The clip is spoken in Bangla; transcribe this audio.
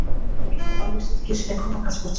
আমি নিশ্চিত যে গ্যাস এখনও কাজ করছে।